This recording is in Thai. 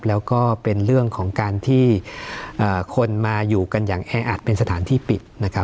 แล้วก็เป็นเรื่องของการที่คนมาอยู่กันอย่างแออัดเป็นสถานที่ปิดนะครับ